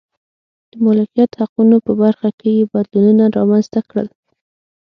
د مالکیت حقونو په برخه کې یې بدلونونه رامنځته کړل.